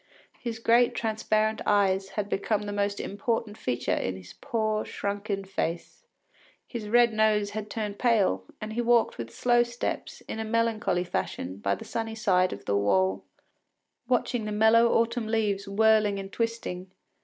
His great transparent eyes had become the most important feature in his poor shrunken face; his red nose had turned pale, and he walked with slow steps, in a melancholy fashion, by the sunny side of the wall, watching the yellow autumn leaves whirling and twisting.